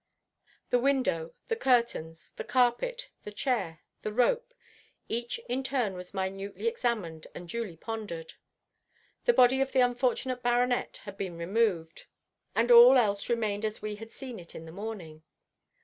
The window, the curtains, the carpet, the chair, the rope—each in turn was minutely examined and duly pondered. The body of the unfortunate baronet had been removed, but all else remained as we had seen it in the morning.